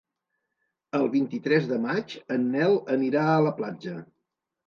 El vint-i-tres de maig en Nel anirà a la platja.